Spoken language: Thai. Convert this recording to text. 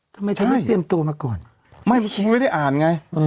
ทำไมฉันไม่เตรียมตัวมาก่อนไม่เพราะฉันไม่ได้อ่านไง